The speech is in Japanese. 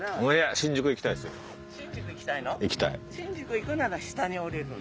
新宿行くなら下に下りるの。